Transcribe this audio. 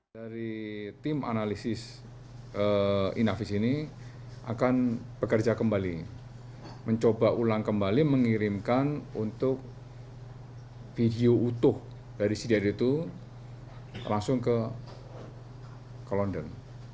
dari tim analisis inavis ini akan bekerja kembali mencoba ulang kembali mengirimkan untuk video utuh dari sidat itu langsung ke london